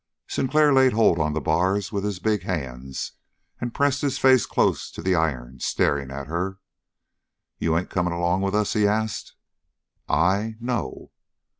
Sinclair laid hold on the bars with his big hands and pressed his face close to the iron, staring at her. "You ain't coming along with us?" he asked. "I no."